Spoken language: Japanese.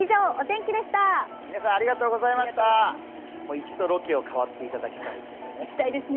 一度ロケを代わっていただきたいというね。